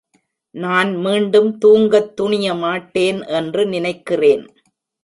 நான் மீண்டும் தூங்கத் துணிய மாட்டேன் என்று நினைக்கிறேன்!